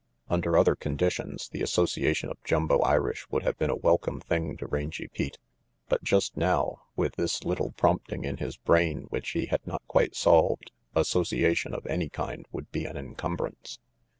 " Under other conditions the association of Jumbo Irish would have been a welcome thing to Rangy Pete; but just now, with this little prompting in his brain which he had not quite solved, association of any kind would be an encumbrance.